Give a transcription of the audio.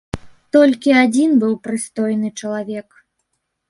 Толькі адзін быў прыстойны чалавек.